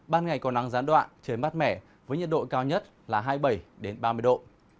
ban ngày có nắng gián đoạn trời mát mẻ với nhiệt độ cao nhất là hai mươi bảy ba mươi độ